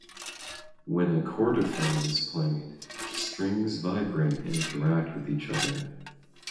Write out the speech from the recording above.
When a chordophone is played, the strings vibrate and interact with each other.